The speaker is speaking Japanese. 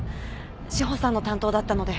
志帆さんの担当だったので。